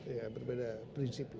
iya berbeda prinsip